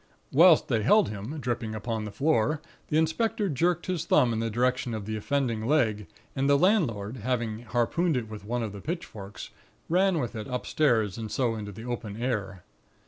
Whilst they held him, dripping upon the floor, the inspector jerked his thumb in the direction of the offending leg, and the landlord, having harpooned it with one of the pitchforks, ran with it upstairs and so into the open air.